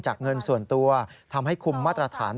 เงินส่วนตัวทำให้คุมมาตรฐาน